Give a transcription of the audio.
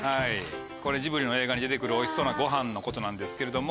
これジブリの映画に出て来るおいしそうなご飯のことなんですけれども。